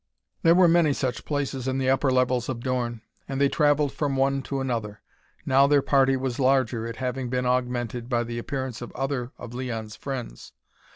There were many such places in the upper levels of Dorn and they traveled from one to another. Now their party was larger, it having been augmented by the appearance of other of Leon's friends.